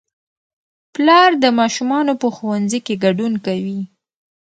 پلار د ماشومانو په ښوونځي کې ګډون کوي